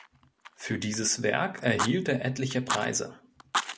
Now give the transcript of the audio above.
Für dieses Werk erhielt er etliche Preise.